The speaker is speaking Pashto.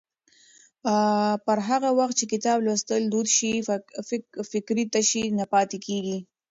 پر هغه وخت چې کتاب لوستل دود شي، فکري تشې نه پاتې کېږي.